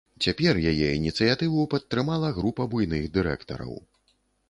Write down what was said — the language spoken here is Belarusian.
Цяпер яе ініцыятыву падтрымала група буйных дырэктараў.